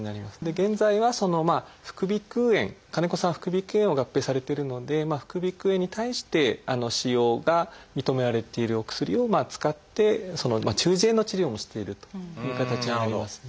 現在は副鼻腔炎金子さんは副鼻腔炎を合併されているので副鼻腔炎に対して使用が認められているお薬を使って中耳炎の治療もしているという形になりますね。